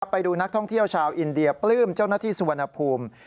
ไปดูนักท่องเที่ยวชาวอินเดียปลื้มเจ้าหน้าที่สุวรรณภูมิ